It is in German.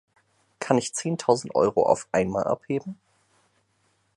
Kann ich zehntausend Euro auf einmal abheben?